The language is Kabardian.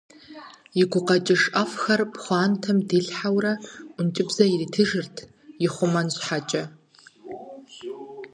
И гукъэкӏыж ӏэфӏхэр пхъуантэм дилъхьэурэ ӏункӏыбзэ иритыжырт ихъумэн щхьэкӏэ.